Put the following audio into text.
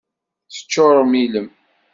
Teččurem ilem.